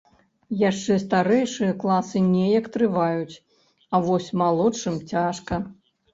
Яшчэ старэйшыя класы неяк трываюць, а вось малодшым цяжка.